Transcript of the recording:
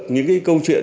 những cái câu chuyện